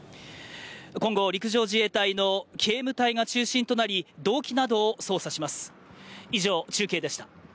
今後、陸上自衛隊の警務隊が中心となり、動機などを捜査します。